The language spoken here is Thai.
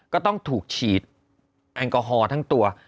ก็ต้องถูกฉีดแอลกอฮอล์ทั้งตัว